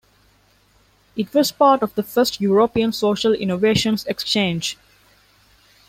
It was part of the first European Social Innovations Exchange.